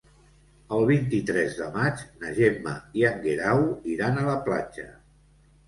El vint-i-tres de maig na Gemma i en Guerau iran a la platja.